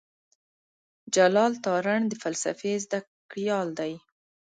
جلال تارڼ د فلسفې زده کړيال دی.